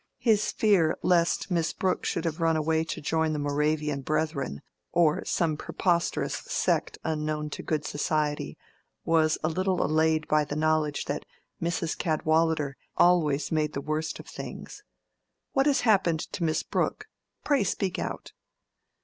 His fear lest Miss Brooke should have run away to join the Moravian Brethren, or some preposterous sect unknown to good society, was a little allayed by the knowledge that Mrs. Cadwallader always made the worst of things. "What has happened to Miss Brooke? Pray speak out."